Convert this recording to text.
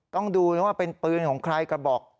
ต้องดูนะว่าเป็นปืนของใครกระบอก